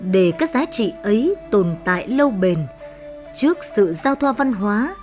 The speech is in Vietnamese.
để các giá trị ấy tồn tại lâu bền trước sự giao thoa văn hóa